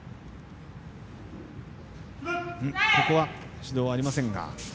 ここは指導はありませんが。